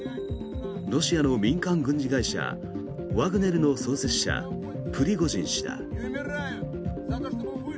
ロシアの民間軍事会社ワグネルの創設者、プリゴジン氏だ。